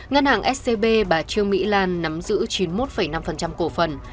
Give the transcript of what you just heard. ngân hàng scb bà trương mỹ lan nắm giữ chín mươi một năm cổ phần